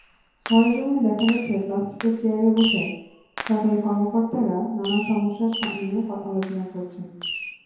সরেজমিনে দেখা গেছে, প্লাস্টিকের চেয়ারে বসে সরকারি কর্মকর্তারা নানা সমস্যা নিয়ে আলোচনা করেন।